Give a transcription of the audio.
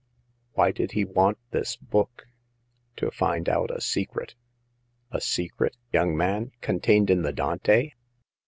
Why did he want this book ?" "To find out a secret." "A secret, young man — contained in the Dante